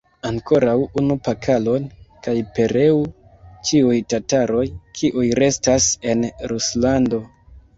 Ankoraŭ unu pokalon, kaj pereu ĉiuj tataroj, kiuj restas en Ruslando!